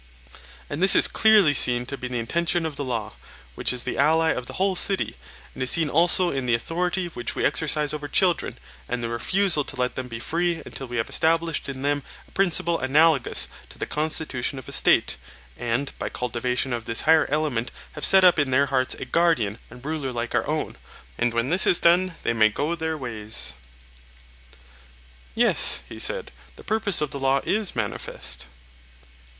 And this is clearly seen to be the intention of the law, which is the ally of the whole city; and is seen also in the authority which we exercise over children, and the refusal to let them be free until we have established in them a principle analogous to the constitution of a state, and by cultivation of this higher element have set up in their hearts a guardian and ruler like our own, and when this is done they may go their ways. Yes, he said, the purpose of the law is manifest.